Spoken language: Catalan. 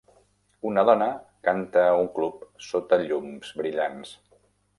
Una dona canta a un club sota llums brillants